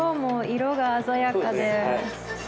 色が鮮やかで。